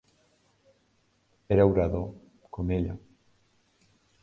Era orador, com ella.